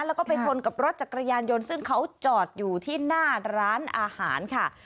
แล้วก็ไปชนกับรถจักรยานยนต์ซึ่งเขาจอดอยู่ที่หน้าร้านอาหารค่ะ